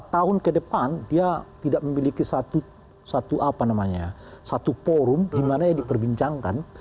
dua ribu empat tahun ke depan dia tidak memiliki satu forum dimana dia diperbincangkan